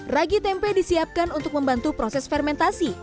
ragi tempe disiapkan untuk membantu proses fermentasi